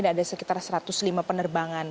dan ada sekitar satu ratus lima penerbangan